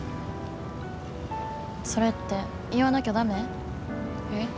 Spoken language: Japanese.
それって言わなきゃダメ？え？